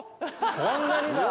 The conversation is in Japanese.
そんなにだ！